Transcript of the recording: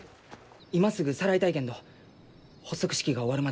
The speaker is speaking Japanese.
今すぐさらいたいけんど発足式が終わるまではお預けじゃと。